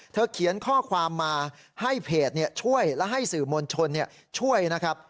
เขียนข้อความมาให้เพจช่วยและให้สื่อมวลชนช่วยนะครับ